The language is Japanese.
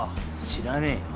知らねえよ。